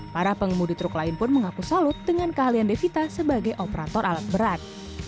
para pengemudi truk lain pun mengaku salut dengan keahlian devita sebagai operator alat berat